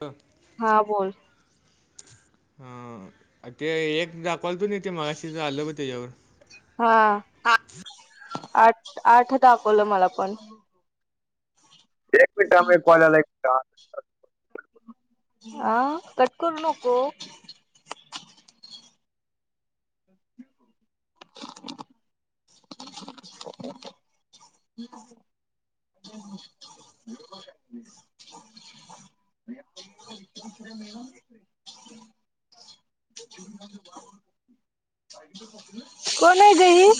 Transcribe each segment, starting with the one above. ह. हा बोल. हा, ते एक दाखवलतो कानी, ते मगाशी झालं बग त्याच्यावर. हा, आठ-आठ दाखवलं मला पण. ऐक मिंट थांब, ऐक कॉल यायला, ऐक मिंट थांब. हा, कट करू नको. [inaudible] [inaudible] [inaudible] [inaudible] [inaudible] कोण आहे ग ही? [inaudible]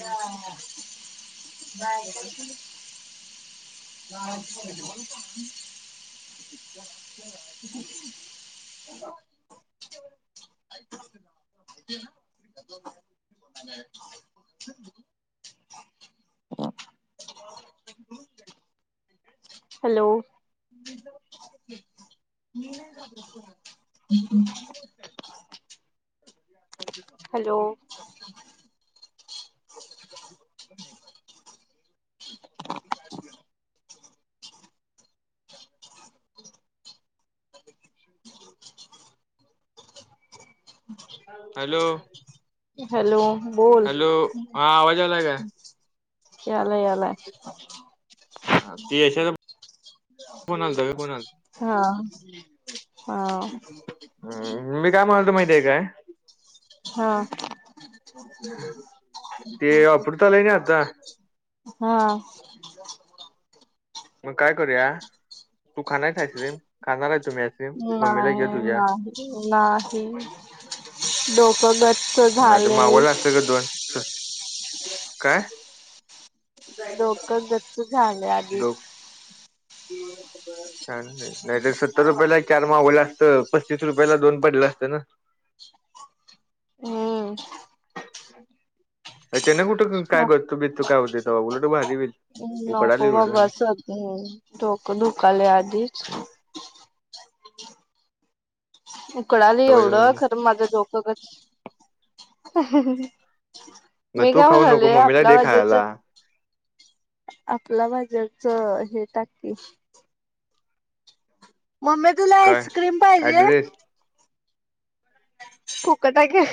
ना [unintelligible] [unintelligible] हॅलो म [unintelligible] हम हॅलो हो [unintelligible] हॅलो हॅलो, बोल हॅलो हा आवाज आलाय काय यालाय, यालाय ते यशा कोण आलत का कोण आलत- हा हा मी काय म्हणालो माहिती आहे काय हा ते अपडता आलई न आता हा मग काय करूया तू खानार आईस्क्रीम खाणार आहे तुम्ही आईस्क्रीम मम्मीला घे नाही तुझ्या नाही नाही डोकगत नाही तर मागवलअसत ग दोन काय डोकं गच्च झालं आधीच ान [unintelligible] सत्तर रुपयाला चार मावलं असतं पस्तीस रुपयाला दोन पडलं असतं ना हम्म [unintelligible] त्या ना कुठं कायतू बू काय होते ते बाघलाटं भारी बेली [unintelligible] हम् नको बाबा अस् ोकरु डोकं धुकायला आधीच उकडाली ठेवायचं एवढं म्हणलं खरं माझं झोक क [unintelligible] मग मी तू काय खाऊ नको म्हणालोय, मम्मीला आपल्या दे भाजेच खायला आपला भाज्याच हे टाक, की मम्मी तुला काय? आईस्क्रीम पाहिजे, ऍड्रेस फुकट हाय का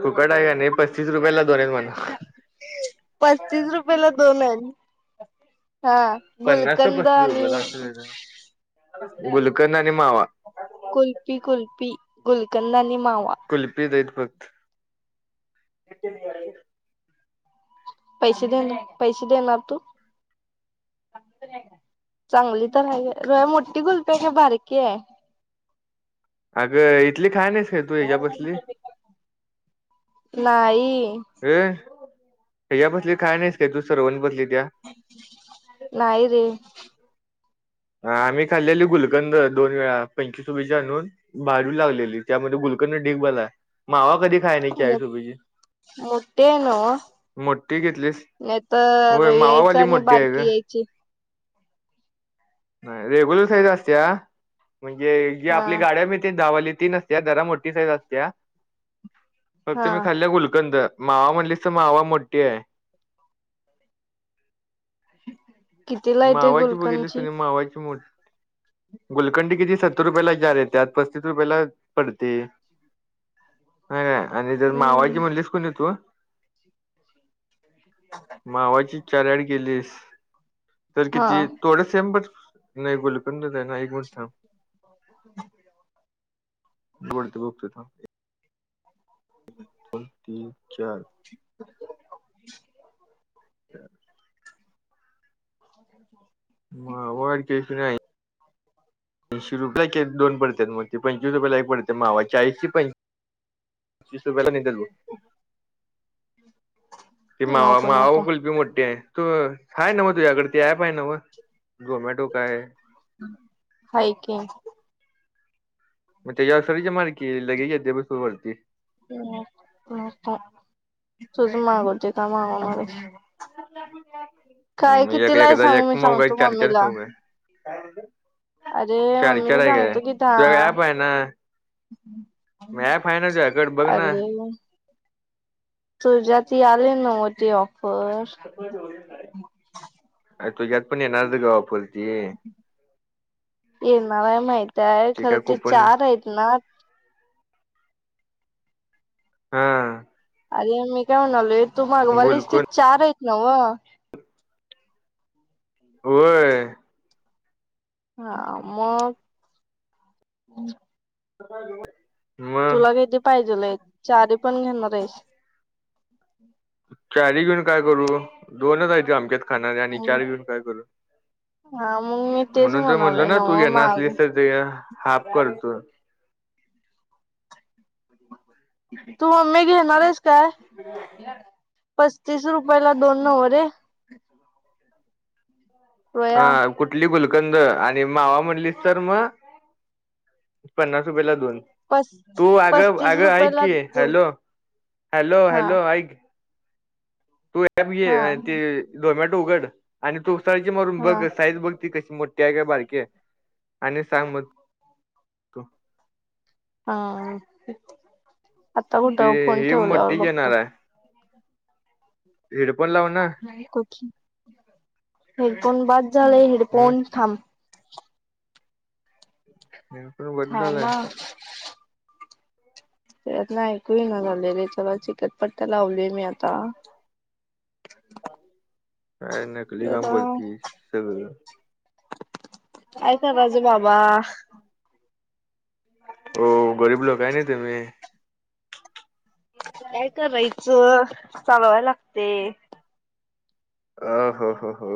फुकट आहे का नाही पस्तीस रुपयाला दोन आहे म्हणा पस्तीस रुपयाेला दोन आहे हा पन्नास तर गुलकंद पस्तीस आणि रुपयाला असं कायतर गुलकंद आणि मावा कुल्फी, कुल्फी गुलकंद आणि मावा, कुल्फी दईत फक्त पैसे देन पैसे देणार तू चांगली तर आहे रोय मोठी गुलफी का बारकी आहे अगं इथली खा नाहीस तू ह्याच्या बसली नाई र ह्या बसली काय नाहीस काय तू सरवणी बसली त्या [unintelligible] नाही रे आम्ही खाल्लेली गुलकंद दोन वेळा पंचवीस रुपयाची आणून भाजू लागलेली त्यामध्ये गुलकर्न ढिग बला मावा कधी खाय नाही ळीसोबीची [unintelligible] मोठे आहे नव्ह मोठी घेतलीस नाही तर होय यायचं मावावाली आणि मोठी आहे बारकी ग यायच जची [unintelligible] नाही रेग्युलर साईज असत्या म्हणजे जे हा आपल्या गाड्या मिळती दहावाली ती नस त्या जरा मोठी साईज असत्या फक्त हा मी खाल्ल्या गुलकंद. मावा म्हणलीस तर मावा मोठी आहे. कितीला येते मावाची बघितलीस गुलकंदची कनी मावाची मोठी गुलकंडी किती सत्तर रुपयाला चारर येत्यात पस्तीस रुपयाला पडते. नाही आणि जर मावाची हम्म म्हणलीस कनी तू मावाची चार ॲड केलीस तर हा किती थोडे सेम बर नाही गुलकड नाही [unintelligible] बोलत बघतोय थांब. दोन, तीन, चार. मावा आणि केशर आई शी रुपये दोन पडत मग ते पंचवीस रुपयाला एक पडते मावा चाळीस प पंचवीस रुपयाला नेत मग. ती मावा नको मावा नको कुल्फी मोठी आहे. तू आहेय ना मग तुझ्याकड ती ऍप आहे न्हव झोमॅटो काय. हाय की. मग तेज्याव सर्च मारकी लगेज येतय ब अस वरती. [unintelligible] तूच मागव जे काय मागणारयेस. हम एक आहे एकदाच सांग एक मी मऊगाय सांगतो चार चार मम्मीला खाऊ काय? अरे चार चार मम्मीला हाय काय सांगतो की तुझ्या दहा क ऍप आहे ना? म ॲप हाय ना तुझ्याकड बघ ना. सुुरजा ती आली न्हव ती ऑ अ तुझ्यात पण येणारच ग ऑफल ती. येणार आहे माहित आहे खरं काय ते कुपन चार आहेत ना. हा. अरे मी काय म्हणालोय तू मागवलिच ते गुलकोन चार आहेत न्हव. होय. हा मग. [unintelligible] मग तुला किती पाहिजेल आहेत चारी पण घेणार आहेस? चारी घेऊन काय करू दोनच हायती आमच्यात खाणारी आणि हम्म, चार घेऊन काय करू हा मग मी तेच म्हणून तर म्हणलो म्हणालोय ना तू नव्ह घेनार माग असलीस तर ते हाफ करतो. तू मम्मी घेणारेस [inaudible] पस्तीस रुपयाला दोन न्हव रे? हा रोया कुठली गुलकंद आणि मावा म्हणलीस तर म पन्नास रुपयला दोन. पस तू आग पस्तीस आग ऐक रुपयाला कि दोन हॅलो हॅलो हा हॅलो ऐक. ॲप हा घे ते झोमॅटो उघड आणि तू सर्च मारून बघ हा साईज बघ ती कशी मोठी ती हाय काय बारकीे आहे आणि सांग मग. तू हा आता ते कुठं फोन हे मोठीच ठेवल्यावर येणार बघतो. आहे हेडफोन लाव ना. हेडफोन बाध झालय हम्म हेडफोन थाबं. [unintelligible] थांम. झालाय तेज्यातन ऐकू ईना झालय रे त्याला कटपट्ट्या लावलोय मी आता. काय नकली काम जरा करतीस सगळं. काय करायचं बाबा. हो गरीब लोक हाय ना तुम्ही. काय करायचं चालवाय लागते. अ हो हो हो.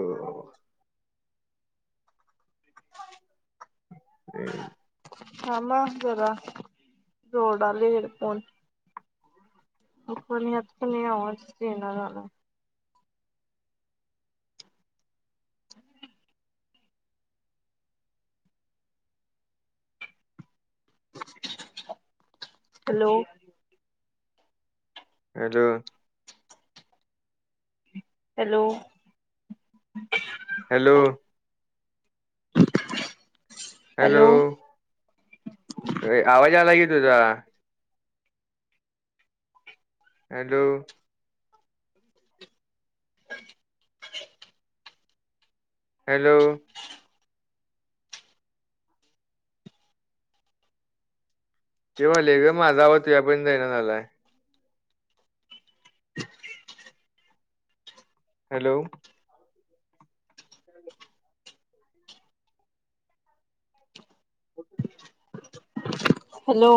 [unintelligible] थांम अ जरा जोडालोय हेडफोन. हा पण ह्यात क नी आवाज येईना झालाय. Hello. Hello. Hello. Hello. Hello, आवाज यालाय की तुझा. हॅलो. [inaudible] हॅलो. हे व्हालय ग माझा आवाज तुझ्या परतं जाईना झालाय. हॅलो. [inaudible] हॅलो.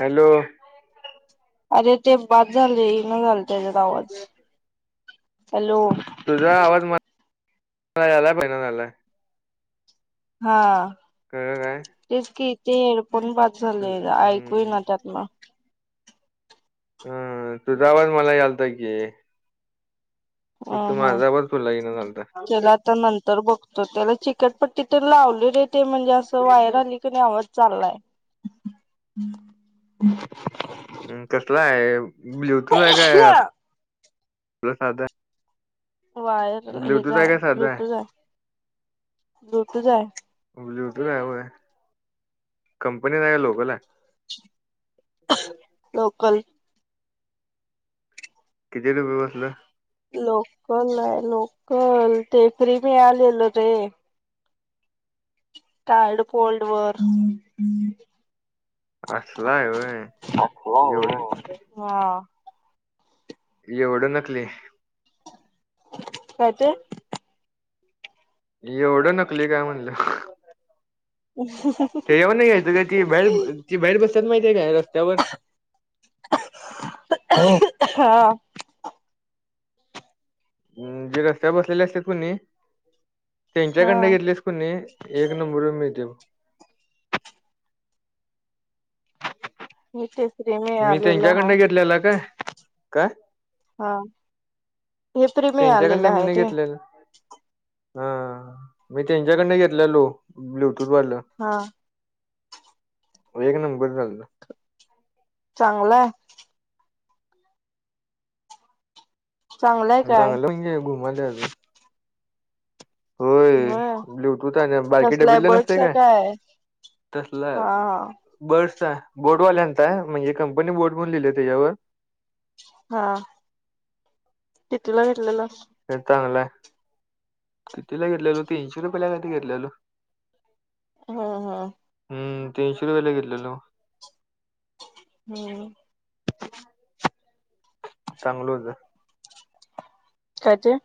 हॅलो. अरे ते बाद झालय ईना झालय त्यांच्यात आवाज. हॅलो तुझा आवाज मला [inaudible] यालाय [unintelligible] हा कळलं काय तेच की ते हेडफोन बाद झालय ऐकू हम्म ईना त्यातनं. हा तुझा आवाज मला यालता की. फक्त हम्म हम्म माझा आवाज तुला येईन झालता. त्याला आता नंतर बघतो त्याला चिकटपट्टी तर लावलोय रे ते म्हणजे असं वायर हल्ली क नाय आवाज चाललाय. कसला हाय ब्लूटूथ हाय काय आपल साध? वायर हेच आहे आय काय साधा आहे ब्लूटूज आय ब्लूटूज आय. ब्ल्यूटूथ हाय ओय कंपनीच हाय काय लोकल आय? लोकल. किती रुपय बसलं? लोकल आय लोकल ते फ्री मिळालेल रे. टायड फोल्ड वर. असला आहे होय टाकला एवढं ओ, हा. एवढं नकली. काय ते? एवढं नकली काय म्हणलं. [unintelligible] ते ह्यो नाहीेत का ती बाहेर ती बाहेर बसतात माहितीये काय रस्त्यावर हा. हम. ते रस्त्यावर बसलेले असत्यात कणी हा त्यांच्याकडन घेतले आपण एक नंबर मिळतय बघ. हा तेच मी त्यांच्याकडन घेतलेला काय? काय, हा. हे प्रेमी आलेलं त्यांच्याकडनं आहे मी ते. घेतलेलं हा मी त्यांच्याकडन घेतलेलो ब्लुटूथ वरण. हा. एक नंबर झालत. चांगलं हाय. चांगलाय काय चांगलं हाय की घुमवायल्यास. होय. ब्लूटूथ आहे. बारकी कसलाय डबेतले नसते बर्डस आहे काय तसला हा हाय. हा बर्डस आहे. बोटवाल्यांचा आहे. म्हणजे कंपनी बोट म्हणून लिहिले आहे त्याच्यावर. हा. तिथला घेतलेलास. चांगल हाय. किती ला घेतलेलो तीनशे रुपयाला कायतर घेतलेलो. हा हा. हम तीनशे रुपयाला घेतलेलो. हम्म. चांगल होत. काय ते?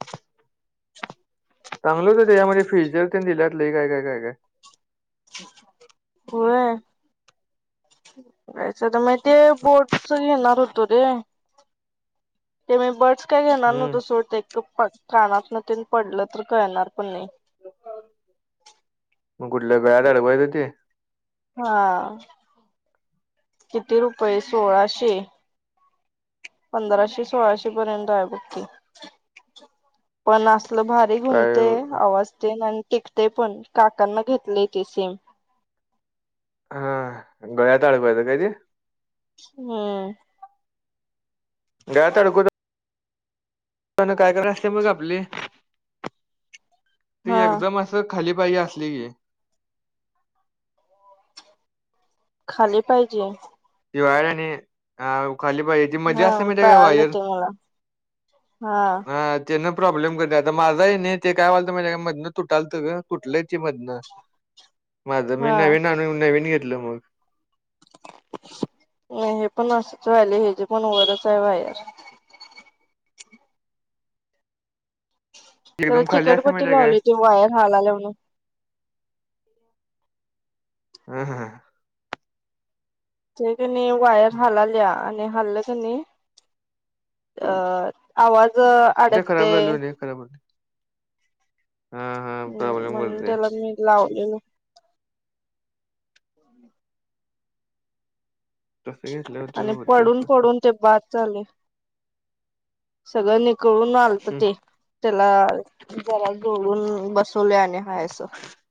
चांगलं होत. त्याच्यामध्ये फिचर तेन देत्यात लय काय काय काय काय हाय. व्हय. घ्यायच तर मग ते बोटच घेणार होतो रे. ते मी बर्ड्स काय घेणार हम्म नव्हतो सोड ते कप कानातन तेन पडलं तर कळणार पण नाही. मग कुठल गळ्यात अडकवायचं ते. हा किती रुपये सोळाशे. पंधराशे -सोळाशे पर्यंत आहे बघ ते पण असलं भारी काय घुमते आवाज तेन आणि टिकते पण काकांना घेतलय ते सेम. हा गळ्यात अडवायचं काय तेे. हम्म. गळ्यात अडकवतात पण काय कर असते बग आपली. ती हा एकदम अस तर खाली पाहिजे असली की, खाली पाहिजे. दिवाळी आणि अ खाली पाहिजे. मजा हा असते माहित आहे का कळालं वायर ते मला हा ह. तेन प्रॉब्लेम करत्या. आता माझा आहे नाही ते काय व्हालतं माहित मधनं तुटालतं तुटलंय ते मधनं. ह [unintelligible] माझ मी नवीन आणून नवीन घेतलं मग, नाही हे पण असंच राहिले हेजी पण वरच आहे वायर. त्याला एकदम खाली असते चिकटपट्टी माहिती आहे काय लावलोय ते वायर हालाल्या म्हणून. हम हम. ते कणी वायर हालाल्या आणि हाललं कनी अ आवाज ते अडकते खराब झाल्यावर हे खराब होतंय. हम्म, प्रॉब्लेम म्हणून करते त्याला मी लावलेल. तसे घेतले होते आणि होतेच पडून-पडून ते बाद झाले, सगळं निक कळून आलत ते त्याला [unintelligible] जोळून बसवलयं आणि हाय असं.